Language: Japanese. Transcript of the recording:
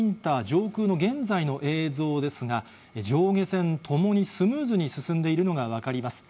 上空の現在の映像ですが、上下線ともにスムーズに進んでいるのが分かります。